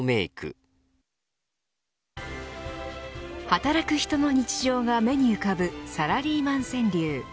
働く人の日常が目に浮かぶサラリーマン川柳。